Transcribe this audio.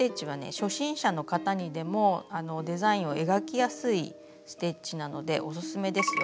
初心者の方にでもデザインを描きやすいステッチなのでオススメですよ。